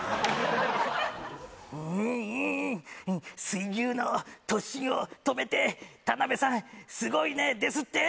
「水牛の突進を止めて田辺さんすごいね」ですって！？